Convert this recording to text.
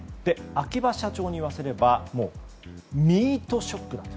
秋葉社長に言わせればミートショックだと。